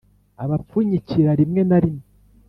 abapfunyira rimwe na rimwe